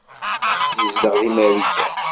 Yezdeɣ deg Marikan.